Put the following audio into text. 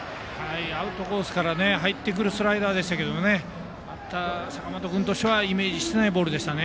アウトコースから入ってくるスライダーでしたがバッター、坂本君としてはイメージしていないボールでした。